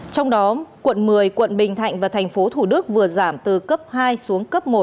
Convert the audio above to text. trong đó quận một mươi quận bình thạnh và thành phố thủ đức vừa giảm từ cấp hai xuống cấp một